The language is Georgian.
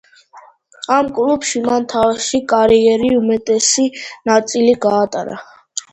ამ კლუბში მან თავისი კარიერი უმეტესი ნაწილი გაატარა.